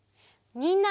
みんな。